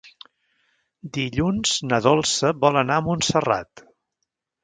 Dilluns na Dolça vol anar a Montserrat.